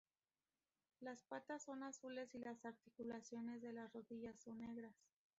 Las patas son azules y las articulaciones de las rodillas son negras.